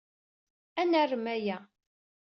Ad narem aya.